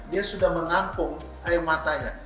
dia sudah menampung air matanya